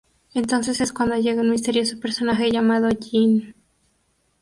Entonces es cuando llega un misterioso personaje llamado Jin.